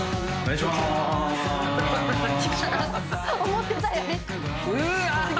思ってたより。